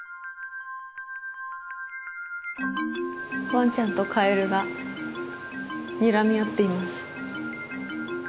ワンちゃんとカエルがにらみ合っています。